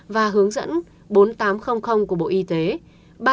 và hướng dẫn bốn mươi tám liều